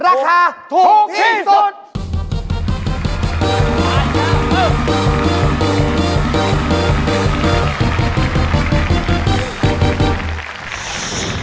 ราคาถูกที่สุดถูกที่สุด